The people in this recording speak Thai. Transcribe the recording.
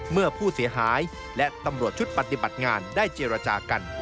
เมื่อผู้เสียหายและตำรวจชุดปฏิบัติงานได้เจรจากัน